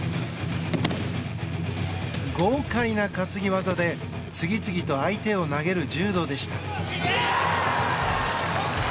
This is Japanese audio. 豪快な担ぎ技で次々と相手を投げる柔道でした。